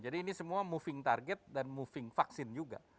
jadi ini semua moving target dan moving vaksin juga